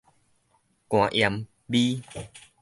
肝炎 B